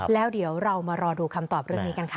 แล้วเดี๋ยวเรามารอดูคำตอบเรื่องนี้กันค่ะ